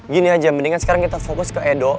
gini aja mendingan sekarang kita fokus ke edo